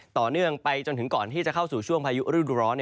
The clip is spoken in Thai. ต่อเนื่องไปจนถึงก่อนที่จะเข้าสู่ช่วงพายุฤดูร้อน